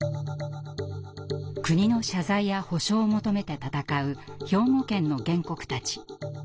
国の謝罪や補償を求めて闘う兵庫県の原告たち。